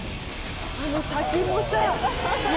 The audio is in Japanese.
あの先もさ。